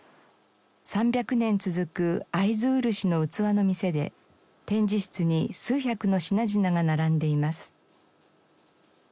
３００年続く会津漆の器の店で展示室に数百の品々が並んでいます。